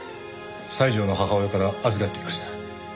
西條の母親から預かってきました。